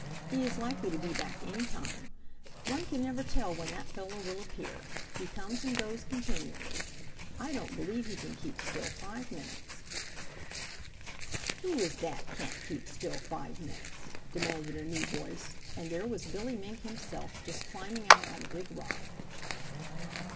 He is likely to be back any time. One never can tell when that fellow will appear. He comes and goes continually. I don't believe he can keep still five minutes." "Who is that can't keep still five minutes?" demanded a new voice, and there was Billy Mink himself just climbing out on the Big Rock.